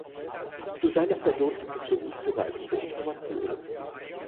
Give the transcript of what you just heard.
Zu seiner Person gibt es nur unzureichende Informationen.